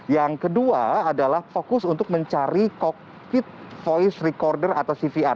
yang kedua adalah fokus untuk mencari kokpit voice recorder atau cvr